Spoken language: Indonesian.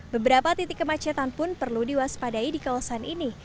beberapa titik kemacetan pun perlu diwaspadai di kawasan ini